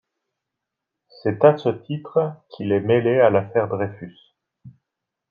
C'est à ce titre qu'il est mêlé à l'Affaire Dreyfus.